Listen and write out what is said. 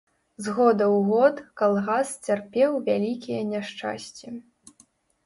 З года ў год калгас цярпеў вялікія няшчасці.